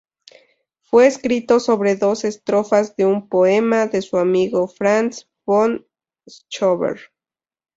Fue escrito sobre dos estrofas de un poema de su amigo Franz von Schober.